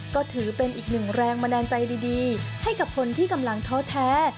ก็ถือเป็นอีกหนึ่งแรงบันดาลใจดีให้กับคนที่กำลังท้อแท้